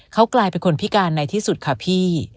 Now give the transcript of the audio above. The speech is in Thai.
เขากลายเป็นคนพิการในที่สุดค่ะพี่